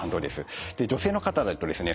女性の方だとですね